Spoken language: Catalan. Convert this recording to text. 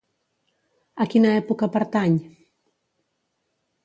A quina època pertany?